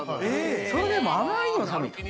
それでも、あまりにも寒い。